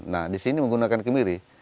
nah di sini menggunakan kemiri